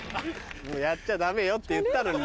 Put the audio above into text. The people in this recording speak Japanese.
もうやっちゃダメよって言ったのにな。